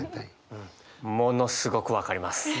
ものすごく分かります。